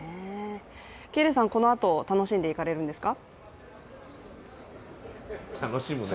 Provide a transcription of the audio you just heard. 喜入さん、このあと、楽しんでいかれるんですか？